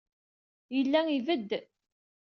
Yella ibedd.